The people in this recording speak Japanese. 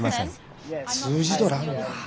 通じとらんな。